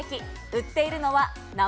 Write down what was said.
売っているのはな